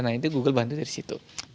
nah itu google bantu dari situ